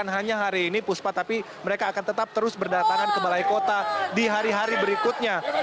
hanya hari ini puspa tapi mereka akan tetap terus berdatangan ke balai kota di hari hari berikutnya